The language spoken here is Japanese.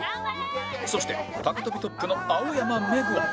そして高跳びトップの青山めぐは